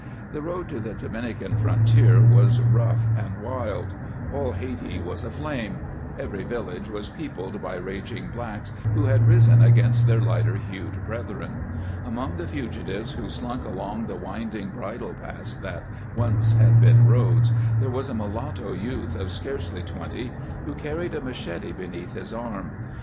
The road to the Dominican frontier was rough and wild. All Hayti was aflame; every village was peopled by raging blacks who had risen against their lighter hued brethren. Among the fugitives who slunk along the winding bridle paths that once had been roads there was a mulatto youth of scarcely twenty, who carried a machete beneath his arm.